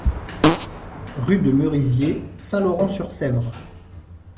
Rue de Merisier, Saint-Laurent-sur-Sèvre